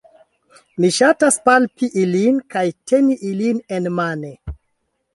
Mi ŝatas palpi ilin kaj teni ilin enmane